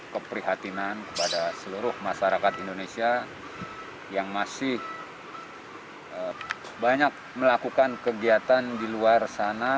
keprihatinan kepada seluruh masyarakat indonesia yang masih banyak melakukan kegiatan di luar sana